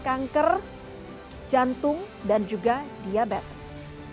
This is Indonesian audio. kanker jantung dan juga diabetes